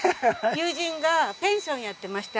友人がペンションやってまして秋田で。